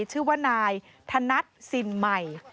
ชื่อว่านายธนัดสินใหม่